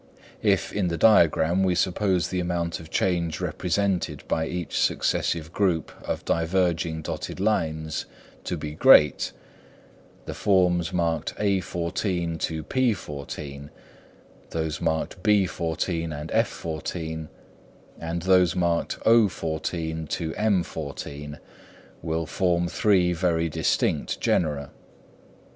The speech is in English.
If, in the diagram, we suppose the amount of change represented by each successive group of diverging dotted lines to be great, the forms marked _a_14 to _p_14, those marked _b_14 and _f_14, and those marked _o_14 to _m_14, will form three very distinct genera.